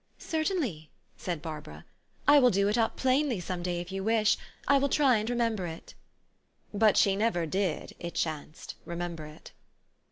"Certainly," said Barbara. "I will do it up plainly some day, if you wish. I will try and re member it." But she never did, it chanced, remember it.